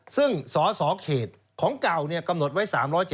ซึ่งสสเขตของเก่ากำหนดไว้๓๗